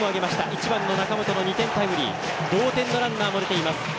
１番の中本の２点タイムリー同点のランナーも出ています。